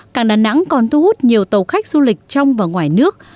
cảng đà nẵng còn thu hút nhiều tàu khách du lịch trong và ngoài nước